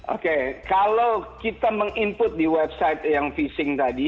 oke kalau kita meng input di website yang phishing tadi